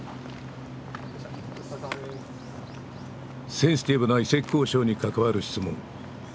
センシティブな移籍交渉に関わる質問。